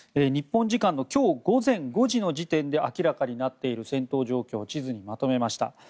日本時間の今日午前５時の時点で明らかになっている戦闘状況を地図にまとめました。